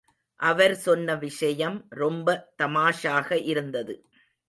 அவர் சொன்ன விஷயம் ரொம்ப தமாஷாக இருந்தது.